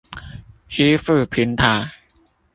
支付平台